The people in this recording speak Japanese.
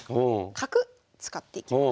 角使っていきます。